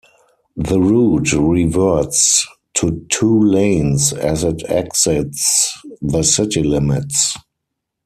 The route reverts to two lanes as it exits the city limits.